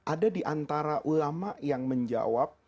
ada di antara ulama yang menjawab